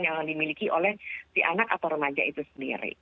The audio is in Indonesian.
yang dimiliki oleh si anak atau remaja itu sendiri